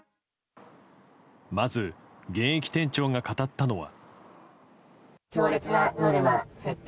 まず、現役店長が語ったのは。